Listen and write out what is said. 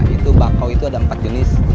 itu bakau itu ada empat jenis